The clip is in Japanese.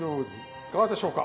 いかがでしょうか？